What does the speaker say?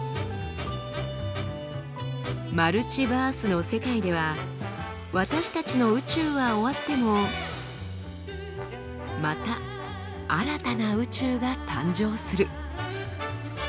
マルチバースの世界では私たちの宇宙は終わってもまた新たな宇宙が誕生する。